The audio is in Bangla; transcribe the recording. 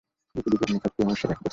গোপীদিগের নিকট প্রেম ও ঈশ্বর এক বস্তু।